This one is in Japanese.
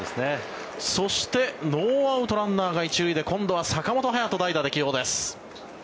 そしてノーアウトランナーが１塁で今度は坂本勇人代打で起用です。